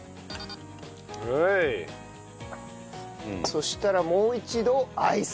そしたらもう一度アイス。